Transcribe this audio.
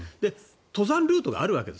登山ルートがあるわけです。